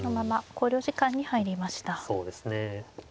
そうですね。